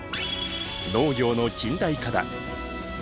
農業の近代化だ。